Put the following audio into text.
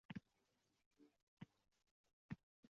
Chunki u hali bor-yo‘g‘i besh yoshda